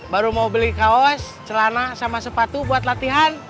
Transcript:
baru mau beli kaos celana sama sepatu buat latihan